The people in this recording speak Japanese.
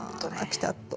ピタッと。